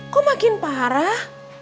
kok makin parah